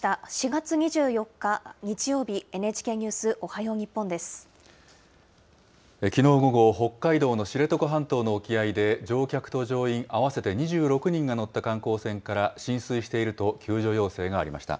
４月２４日日曜日、ＮＨＫニュース、きのう午後、北海道の知床半島の沖合で乗客と乗員合わせて２６人が乗った観光船から浸水していると救助要請がありました。